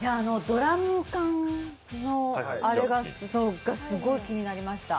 ドラム缶のあれがすごい気になりました。